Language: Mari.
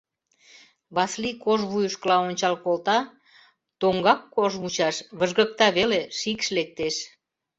Васлий кож вуйышкыла ончал колта: тоҥгак кож мучаш выжгыкта веле, шикш лектеш.